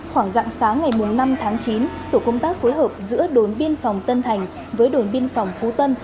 khoảng dặn sáng ngày năm tháng chín tổ công tác phối hợp giữa đồn biên phòng tân thành với đồn biên phòng phú tân